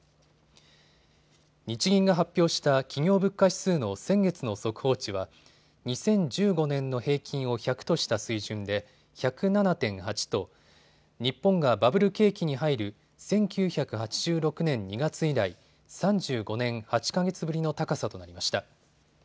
日銀が発表した企業物価指数の先月の速報値は２０１５年の平均を１００とした水準で１０７．８と日本がバブル景気に入る１９８６年２月以来、３５年８か月ぶりの高さとなりました。